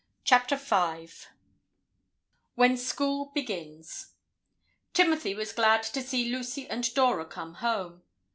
CHAPTER V WHEN SCHOOL BEGINS Timothy was glad to see Lucy and Dora come home.